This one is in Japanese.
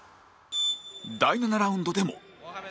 第７ラウンドでも